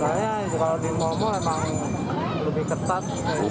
soalnya kalau di ngomong memang lebih ketat